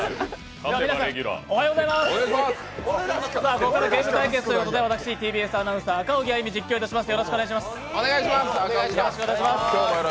ここからはゲーム対決ということで、私、ＴＢＳアナウンサー、赤荻歩実況いたします。